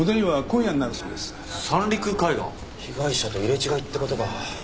被害者と入れ違いって事か。